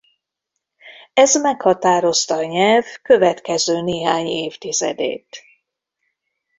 Ez meghatározta a nyelv következő néhány évtizedét.